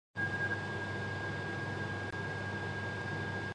Those living in households with ill or dying parents are often even more vulnerable.